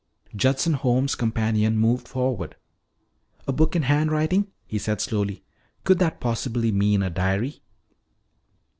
Judson Holmes' companion moved forward. "A book in handwriting," he said slowly. "Could that possibly mean a diary?"